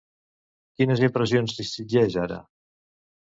Quines impressions distingeix ara?